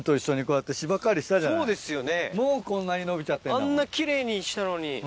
あんな奇麗にしたのに。